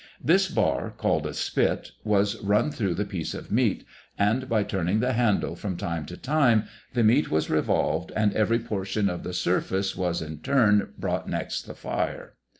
This bar, called a spit, was run through the piece of meat, and by turning the handle from time to time the meat was revolved and every portion of the surface was in turn brought next the fire.